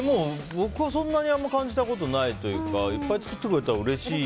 僕はそんなに感じたことがないというかいっぱい作ってくれたらうれしい。